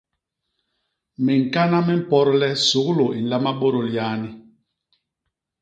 Miñkana mi mpot le suglu i nlama bôdôl yani.